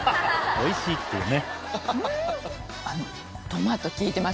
おいしいっていうね。